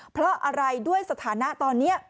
เพราะอะไรด้วยสถานะตอนนี้